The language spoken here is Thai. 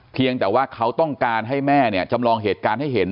เพียงแต่ว่าเขาต้องการให้แม่เนี่ยจำลองเหตุการณ์ให้เห็น